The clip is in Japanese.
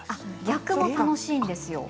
逆も楽しいですよ。